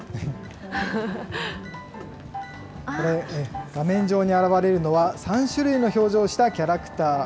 これ、画面上に現れるのは、３種類の表情をしたキャラクター。